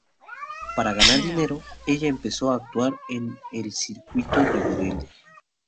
Para ganar dinero, ella empezó a actuar en el circuito de vodevil.